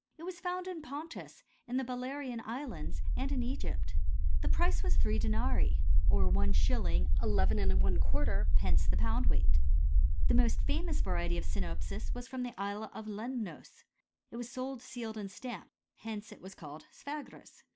It was found in Pontus, in the Balearian islands, and in Egypt. The price was three denarii, or Is, lljrf. the pound weight. The most famous variety of sinopis was from the isle of Lemnos ; it was sold sealed and stamped : hence it was called sphragis.